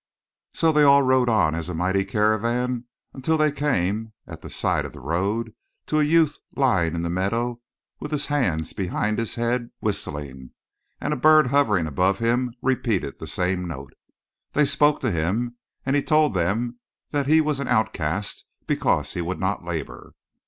"So they all rode on as a mighty caravan until they came, at the side of the road, to a youth lying in the meadow with his hands behind his head whistling, and a bird hovering above him repeated the same note. They spoke to him and he told them that he was an outcast because he would not labor.